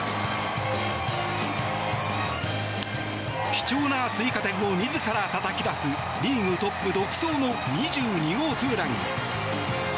貴重な追加点を自らたたき出すリーグトップ独走の２２号ツーラン。